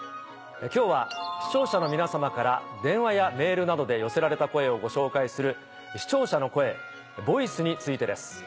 今日は視聴者の皆さまから電話やメールなどで寄せられた声をご紹介する。についてです。